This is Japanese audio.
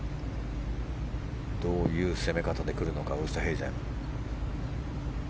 どういう攻め方で来るのかウーストヘイゼン。